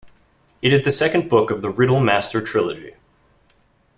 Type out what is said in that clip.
It is the second book of the Riddle Master Trilogy.